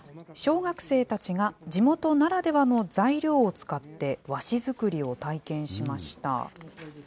小学生たちが、地元ならではの材料を使って、和紙作りを体験しました。